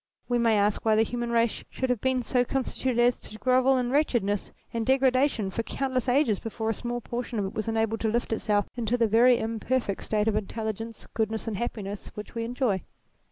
We may ask why the human race should have been so constituted as to grovel in wretchedness and degra dation for countless ages before a small portion of it was enabled to lift itself into the very imperfect 182 THEISM state of intelligence, goodness and happiness which we enjoy.